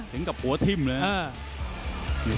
ถึงกับหัวทิ่มเลย